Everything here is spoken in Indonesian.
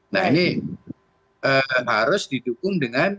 nah ini harus didukung dengan